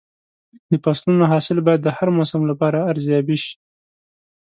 د فصلونو حاصل باید د هر موسم لپاره ارزیابي شي.